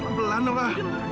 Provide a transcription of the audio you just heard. pelan pelan apa